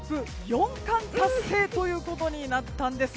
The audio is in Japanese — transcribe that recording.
四冠達成ということになったんです。